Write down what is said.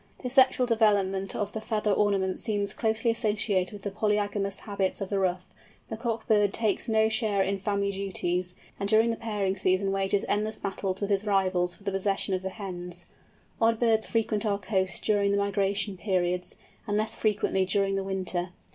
This sexual development of feather ornament seems closely associated with the polygamous habits of the Ruff; the cock bird takes no share in family duties, and during the pairing season wages endless battles with his rivals for the possession of the hens. Odd birds frequent our coasts during the migration periods, and less frequently during the winter.